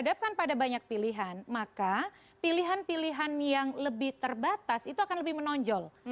dihadapkan pada banyak pilihan maka pilihan pilihan yang lebih terbatas itu akan lebih menonjol